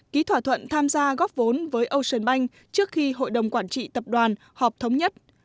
ký thỏa thuận tham gia góp vốn với ocean bank trước khi hội đồng quản trị tập đoàn họp thống nhất